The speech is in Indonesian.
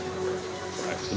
ini sudah sesuai dengan sasaran